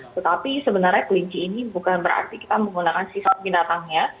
tetapi sebenarnya kelinci ini bukan berarti kita menggunakan sisa binatangnya